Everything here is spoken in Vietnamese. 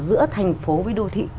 giữa thành phố với đô thị